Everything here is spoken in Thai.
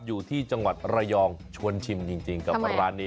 อยู่ที่จังหวัดระยองชวนชิมจริงกับร้านนี้